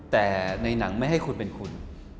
แต่ในหนังไม่ให้คุณเป็นคุณ